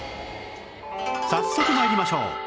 早速参りましょう